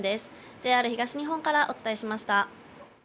ＪＲ東日本からお伝えしました。